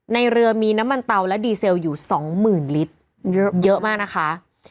ในเรือมีน้ำมันเตาและดีเซลอยู่สองหมื่นลิตรเยอะมากนะคะ